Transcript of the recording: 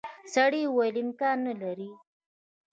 سړي وویل امکان نه لري.